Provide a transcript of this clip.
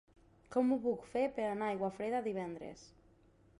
Com ho puc fer per anar a Aiguafreda divendres?